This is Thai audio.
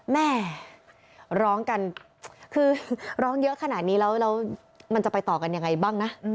แม่ร้องกันคือร้องเยอะขนาดนี้แล้วมันจะไปต่อกันยังไงบ้างนะ